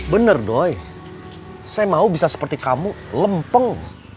bener doy saya mau bisa seperti kamu lempeng